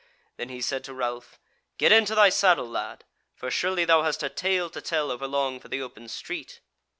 Then he said to Ralph: "Get into thy saddle, lad; for surely thou hast a tale to tell overlong for the open street."